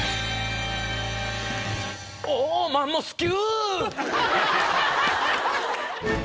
おおマンモス級！